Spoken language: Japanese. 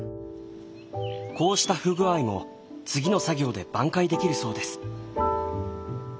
こうした不具合も次の作業で挽回できるそうです。